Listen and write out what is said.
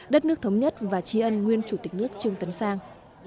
đất nước thống nhất và tri ân nguyên chủ tịch nước trương tấn sang